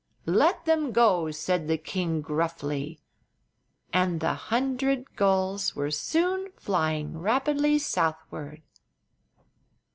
"Let them go!" said the king, gruffly. And the hundred gulls were soon flying rapidly southward.